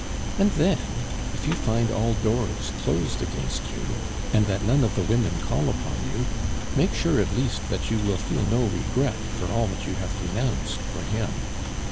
And, then, if you find all doors closed against you, and that none of the women call upon you, make sure at least that you will feel no regret for all that you have renounced for him.